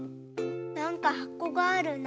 なんかはこがあるな。